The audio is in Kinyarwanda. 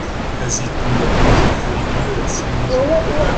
kazitunga akunze kurira iyo yasinze